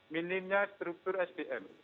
minimnya struktur spm